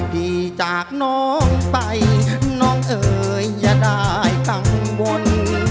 ดีจากน้องไปน้องเอ๋ยอย่าได้กังวล